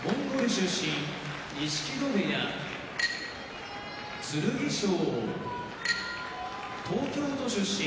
出身錦戸部屋剣翔東京都出身